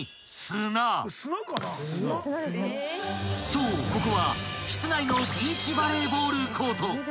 ［そうここは室内のビーチバレーボールコート］